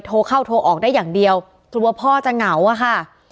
โทรเข้าโทรออกได้อย่างเดียวกลัวพ่อจะเหงาอะค่ะ